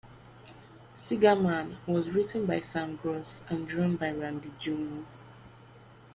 "Cigarman" was written by Sam Gross, and drawn by Randy Jones.